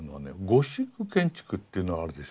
ゴシック建築っていうのがあるでしょ。